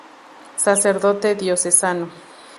Sacerdote diocesano.